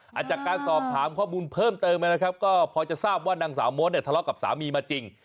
หลังจากการสอบถามข้อมูลเพิ่มเติมนะครับก็พอจะทราบว่านางสาวมดเนี่ยทะเลาะกับสามีมาจริง